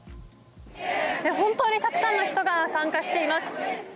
本当にたくさんの人が参加しています。